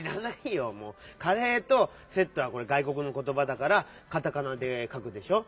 「カレー」と「セット」はがいこくのことばだからカタカナでかくでしょ？